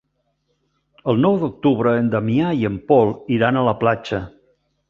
El nou d'octubre en Damià i en Pol iran a la platja.